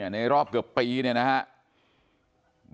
ในรอบเกือบปีเนี่ยนะครับ